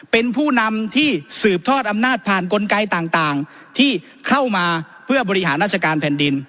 เป็นผู้นำที่สืบทอดอำนาจผ่านกลไกต่างที่เข้ามาเพื่อบริหารราชการแผ่นดิน